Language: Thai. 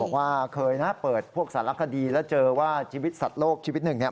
บอกว่าเคยนะเปิดพวกสารคดีแล้วเจอว่าชีวิตสัตว์โลกชีวิตหนึ่งเนี่ย